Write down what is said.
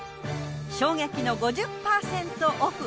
衝撃の５０％オフ！